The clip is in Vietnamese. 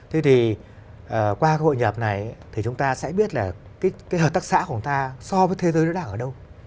thế thì qua cái hội nhập này thì chúng ta sẽ biết là cái hợp tác xã của ta so với thế giới nó đang ở đâu